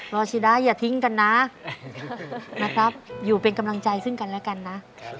รอชิดาอย่าทิ้งกันนะนะครับอยู่เป็นกำลังใจซึ่งกันแล้วกันนะ